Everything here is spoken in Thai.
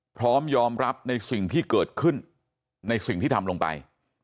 พร้อมยอมรับในสิ่งที่เกิดขึ้นในสิ่งที่ทำลงไป